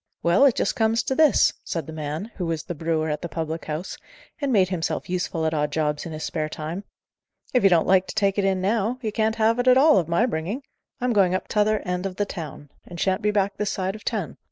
"Well, it just comes to this," said the man, who was the brewer at the public house, and made himself useful at odd jobs in his spare time: "if you don't like to take it in now, you can't have it at all, of my bringing. I'm going up to t'other end of the town, and shan't be back this side of ten."